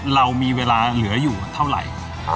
เรามีเวลาเหลืออยู่เท่าไหร่